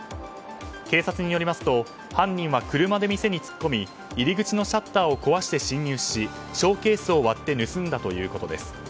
警察によりますと犯人は車で店に突っ込み入り口のシャッターを壊して侵入し、ショーケースを割って盗んだということです。